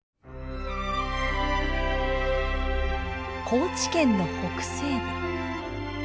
高知県の北西部。